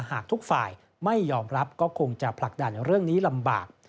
หากทุกฝ่ายไม่ยอมรับก็คงจะผลักดันเรื่องนี้ลำบาก